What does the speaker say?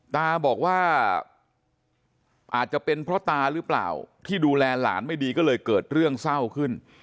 ตาบอกว่าอาจจะเป็นเพราะตาหรือเปล่าที่ดูแลหลานไม่ดีก็เลยเกิดเรื่องเศร้าขึ้น